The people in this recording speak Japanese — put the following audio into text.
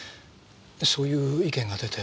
そういう意見が出て。